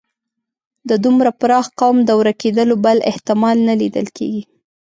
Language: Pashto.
د دومره پراخ قوم د ورکېدلو بل احتمال نه لیدل کېږي.